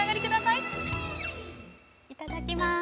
◆いただきます。